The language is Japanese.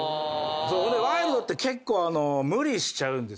ワイルドって結構無理しちゃう。